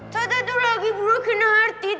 tata tuh lagi broken hearted